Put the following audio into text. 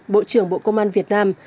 bộ trưởng bộ công an việt nam